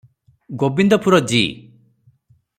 Gobindpur G.